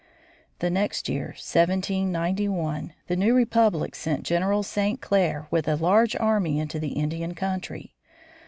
The next year, 1791, the new republic sent General St. Clair with a large army into the Indian country.